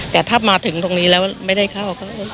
แต่ถ้ามาถึงตรงนี้แล้วไม่ได้เข้า